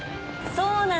そうなの。